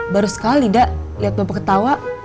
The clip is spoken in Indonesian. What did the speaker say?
baru sekali dak lihat bapak ketawa